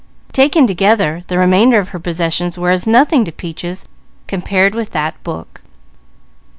Taken together, the remainder of her possessions were as nothing to Peaches compared with that book.